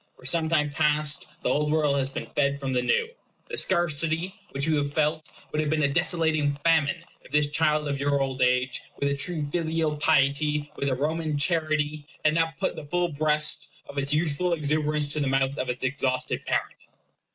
For some time past the Old World has been fed from the New. The scarcity which you have felt would have been a desolating famine, if this child of your old age, with a true filial piety, with a Roman charity, had no t put the full breast of its youthful exuberance to the mouth of its exhausted parent.